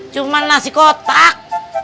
cuma nasi kotak